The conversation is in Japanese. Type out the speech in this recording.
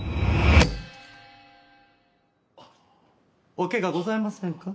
お怪我ございませんか？